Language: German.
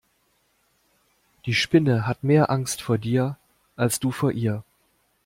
Die Spinne hat mehr Angst vor dir als du vor ihr.